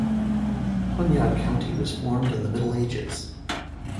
Hunyad county was formed in the Middle Ages.